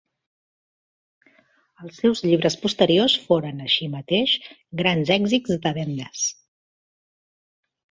Els seus llibres posteriors foren, així mateix, grans èxits de vendes.